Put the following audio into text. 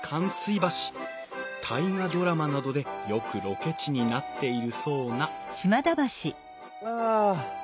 「大河ドラマ」などでよくロケ地になっているそうなあ。